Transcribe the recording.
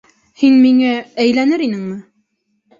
- Һин миңә... әйләнер инеңме?